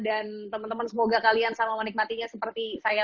dan teman teman semoga kalian selalu menikmatinya seperti saya